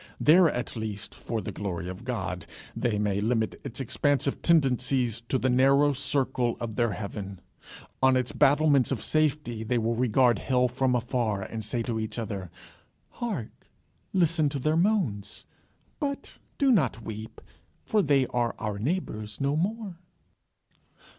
There, at least, for the glory of God, they may limit its expansive tendencies to the narrow circle of their heaven. On its battlements of safety, they will regard hell from afar, and say to each other, "Hark! Listen to their moans. But do not weep, for they are our neighbours no more."